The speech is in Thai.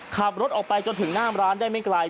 ขับรถออกไปจนถึงหน้าร้านได้ไม่ไกล